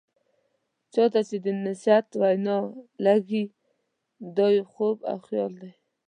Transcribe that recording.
چا ته چې د نصيحت وینا لګیږي، دا يو خوب او خيال دی.